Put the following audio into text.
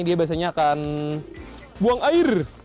dia biasanya akan buang air